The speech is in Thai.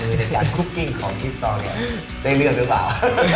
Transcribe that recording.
ในการคุกกิ่งของคิสตอยกรอกได้เลื่อนหรือป่าว